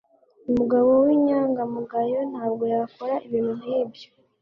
Umugabo w'inyangamugayo ntabwo yakora ibintu nkibyo.